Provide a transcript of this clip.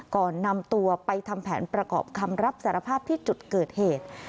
ก่อนนำตัวไปทำแผนประกอบคำรับสารภาพที่จุดเกิดเหตุ